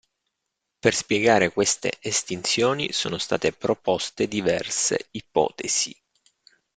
Per spiegare queste estinzioni sono state proposte diverse ipotesi.